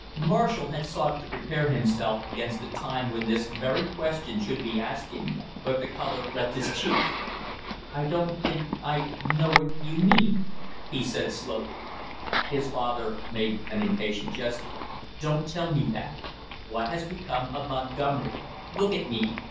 Marshall had sought to prepare himself against the time when this very question should be asked him, but the color left his cheeks. "I don't think I know what you mean," he said slowly. His father made an impatient gesture. "Don't tell me that! What has become of Montgomery? Look at me!